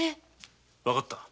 分かった。